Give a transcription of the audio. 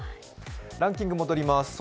ランキング、戻ります。